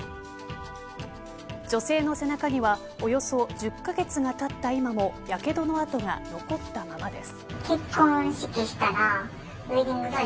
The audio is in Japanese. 女性の背中にはおよそ１０カ月がたった今もやけどの痕が残ったままです。